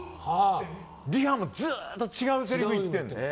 リハもずっと違うせりふ言ってるの。